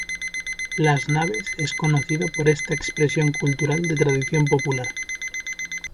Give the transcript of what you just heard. Las Naves es conocida por esta expresión cultural de tradición popular.